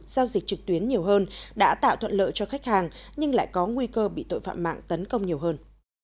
giao dịch trực tuyến nhiều hơn đã tạo thuận lợi cho khách hàng nhưng lại có nguy cơ bị tội phạm mạng tấn công nhiều hơn